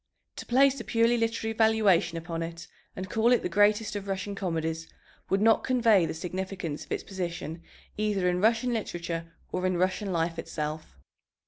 To place a purely literary valuation upon it and call it the greatest of Russian comedies would not convey the significance of its position either in Russian literature or in Russian life itself.